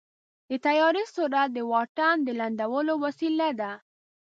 د طیارې سرعت د واټن د لنډولو وسیله ده.